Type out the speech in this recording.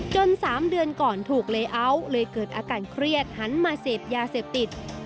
๓เดือนก่อนถูกเลอัลเลยเกิดอาการเครียดหันมาเสพยาเสพติด